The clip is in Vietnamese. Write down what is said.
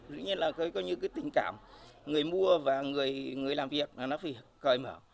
tự nhiên là cái tình cảm người mua và người làm việc nó phải cởi mở